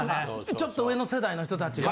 ちょっと上の世代の人達が。